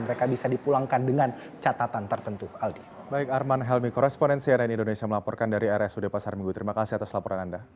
mereka bisa dipulangkan dengan catatan tertentu